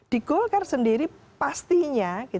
di golkar sendiri pastinya